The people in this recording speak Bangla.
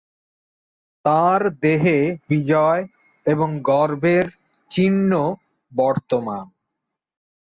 তার দেহে বিজয় এবং গর্বের চিহ্ন বর্তমান।